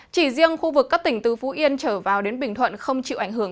chỉ riêng khu vực các tỉnh từ phú yên trở vào đến bình thuận không chịu ảnh hưởng